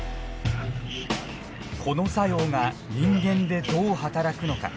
この作用が人間でどう働くのか。